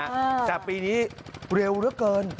อ้าวแต่ปีนี้เร็วเท่าไหร่เกิน